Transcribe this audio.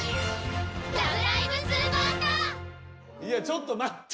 ちょっと待って！